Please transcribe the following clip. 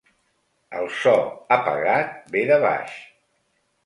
El so, apagat, ve de baix.